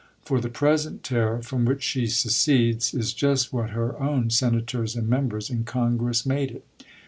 For the present tariff from which she secedes is just what her own Senators and Members in Congress made it.